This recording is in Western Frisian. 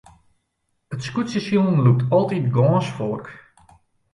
It skûtsjesilen lûkt altyd gâns folk.